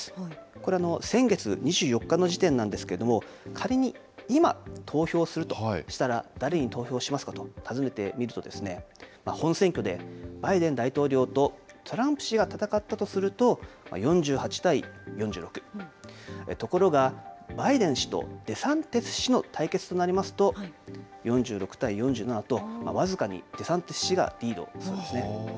これ、先月２４日の時点なんですけれども、仮に今、投票するとしたら、誰に投票しますかと尋ねてみると、本選挙でバイデン大統領とトランプ氏が戦ったとすると、４８対４６、ところがバイデン氏とデサンティス氏の対決となりますと、４６対４７と、僅かにデサンティス氏がリードしているんですね。